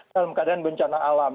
dalam keadaan bencana alam